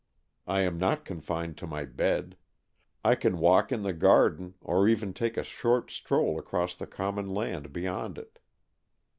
I am not confined to my bed. I can walk in the garden, or even take a short stroll across the common land beyond it.